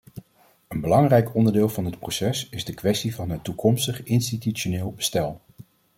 Een belangrijk onderdeel van dit proces is de kwestie van het toekomstig institutioneel bestel.